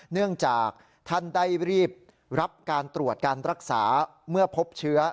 เนื่องจากท่านได้รีบรับการตรวจการรักษาเมื่อพบเชื้อ